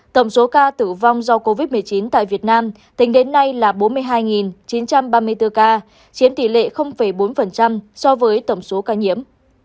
tổng số ca tử vong do covid một mươi chín tại việt nam tính đến nay là bốn mươi hai chín trăm ba mươi bốn ca chiếm tỷ lệ bốn so với tổng số ca nhiễm